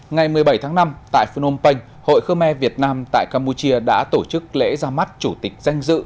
ngày một mươi bảy tháng năm tại phương âm pênh hội khơ me việt nam tại campuchia đã tổ chức lễ ra mắt chủ tịch danh dự